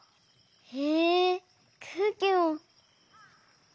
へえくうきも！